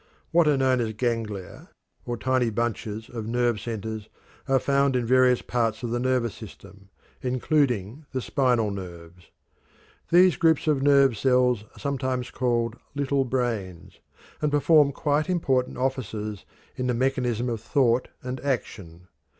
What are known as ganglia, or tiny bunches of nerve cells, are found in various parts of the nervous system, including the spinal nerves. These groups of nerve cells are sometimes called "little brains," and perform quite important offices in the mechanism of thought and action.